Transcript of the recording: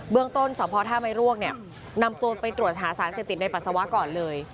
เบื้องต้นสภถ้าไม่ร่วงนำตัวไปตรวจสารเสพติดในปัสสาวะก่อนเลย